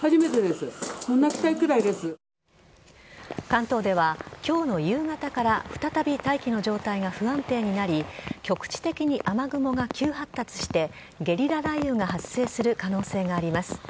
関東では今日の夕方から再び大気の状態が不安定になり局地的に雨雲が急発達してゲリラ雷雨が発生する可能性があります。